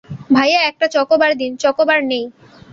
ভাইয়া, একটা চকোবার দিন, - চকোবার নেই।